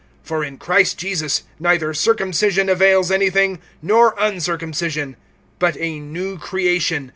(15)For in Christ Jesus neither circumcision avails anything, nor uncircumcision, but a new creation.